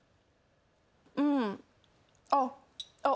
うんあっあっ。